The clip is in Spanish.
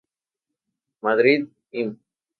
Madrid: Imp.